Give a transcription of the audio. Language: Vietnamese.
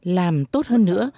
làm tốt hơn nữa